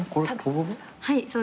はい。